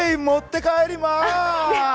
持って帰りまーす。